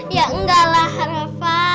ya enggak lah rafa